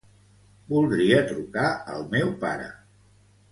Voldria trucar al meu pare.